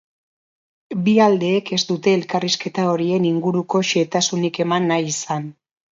Bi aldeek ez dute elkarrizketa horien inguruko xehetasunik eman nahi izan.